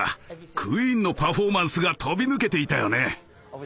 クイーンのパフォーマンスが飛び抜けていたよね。